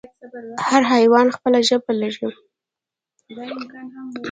هر حیوان خپله ژبه لري